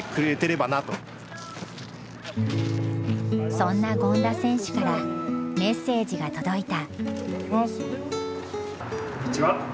そんな権田選手からメッセージが届いた。